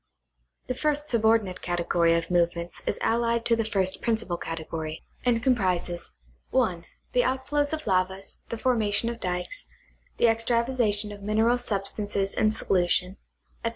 The first subordinate category of movements is allied to the first principal category, and comprises, (1) the outflows of lavas, the formation of dykes, the extravasation of mineral substances in solution, etc.